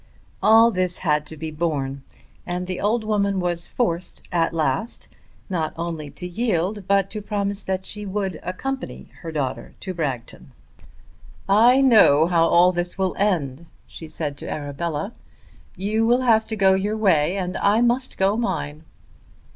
All this had to be borne, and the old woman was forced at last not only to yield but to promise that she would accompany her daughter to Bragton. "I know how all this will end," she said to Arabella. "You will have to go your way and I must go mine."